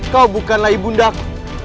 kau bukanlah ibundaku